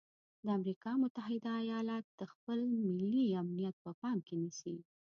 د امریکا متحده ایالات د خپل ملي امنیت په پام کې نیسي.